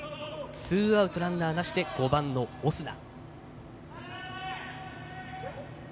ツーアウトランナーなしで５番のオスナ。